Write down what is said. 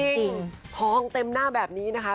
จริงท้องเต็มหน้าแบบนี้นะคะ